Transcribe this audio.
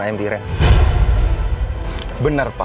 ayam direng bener pak